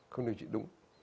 không điều trị đúng